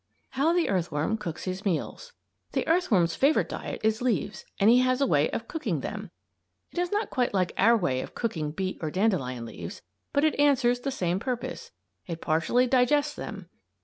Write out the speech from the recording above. HOW THE EARTHWORM COOKS HIS MEALS The earthworm's favorite diet is leaves and he has a way of cooking them. It is not quite like our way of cooking beet or dandelion leaves, but it answers the same purpose it partially digests them.